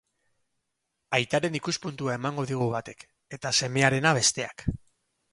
Aitaren ikuspuntua emango digu batek, eta semearena besteak.